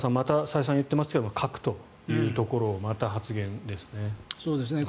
再三言っていますけれども核というところをまた発現ですね。